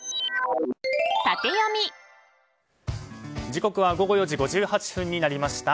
時刻は午後４時５８分になりました。